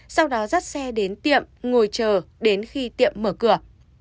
sau đó dắt xe đến tiệm ngồi chờ đến khi tiệm mở cửa